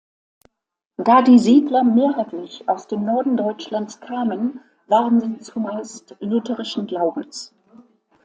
Da die Siedler mehrheitlich aus dem Norden Deutschlands kamen, waren sie zumeist lutherischen Glaubens.